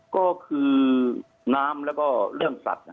ก็คือน้ำแล้วก็เรื่องสัตว์